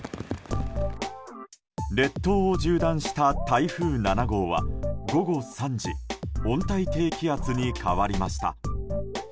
列島を縦断した台風７号は午後３時温帯低気圧に変わりました。